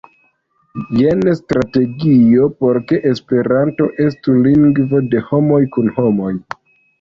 Jen strategio por ke Esperanto estu lingvo de homoj kun homoj.